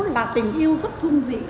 là tình yêu rất dung dị